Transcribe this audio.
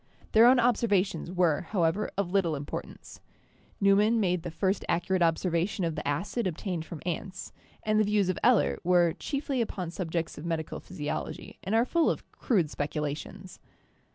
Their own observations were, however, of little importance; Neumann made the first 108 CHEMISTRY accurate observation of the acid obtained from ants; and the views of Eller were chiefly upon subjects of medical physiology, and are full of crude speculations.